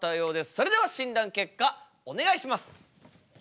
それでは診断結果お願いします！